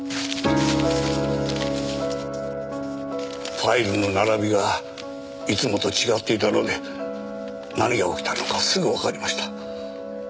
ファイルの並びがいつもと違っていたので何が起きたのかすぐわかりました。